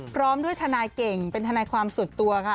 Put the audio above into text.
พร้อมด้วยทนายเก่งเป็นทนายความส่วนตัวค่ะ